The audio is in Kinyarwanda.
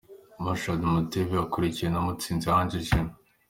Rachid Mutebi akurikiwe na Mutsinzi Ange Jimmy.